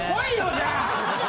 じゃあ。